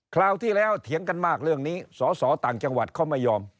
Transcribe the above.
คราวที่แล้วเถียงกันมากเรื่องนี้สสต่างจังหวัดเขาไม่ยอม